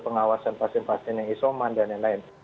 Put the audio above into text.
pengawasan pasien pasien yang isoman dan lain lain